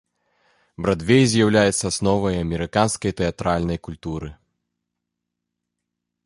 Брадвей з'яўляецца асновай амерыканскай тэатральнай культуры.